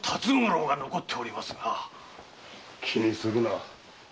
気にするな。